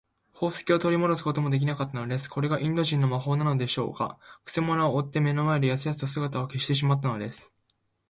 宝石をとりもどすこともできなかったのです。これがインド人の魔法なのでしょうか。くせ者は追っ手の目の前で、やすやすと姿を消してしまったのです。